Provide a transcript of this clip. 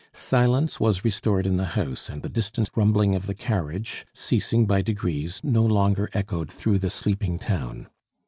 Silence was restored in the house, and the distant rumbling of the carriage, ceasing by degrees, no longer echoed through the sleeping town.